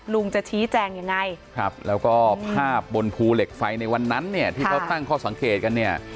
ลุงจะชี้แจงยังไงครับแล้วก็ภาพบนภูเหล็กไฟในวันนั้นเนี่ยที่เขาตั้งข้อสังเกตกันเนี่ย